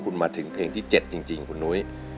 คุณมาถึงเพลงที่๗จริงคุณนุ้ย